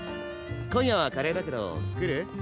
今夜はカレーだけど来る？